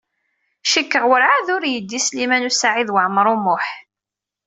Cikkeɣ werɛad ur yeddi Sliman U Saɛid Waɛmaṛ U Muḥ.